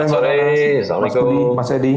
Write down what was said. assalamualaikum mas edy